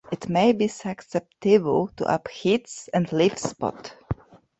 It may be susceptible to aphids and leaf spot.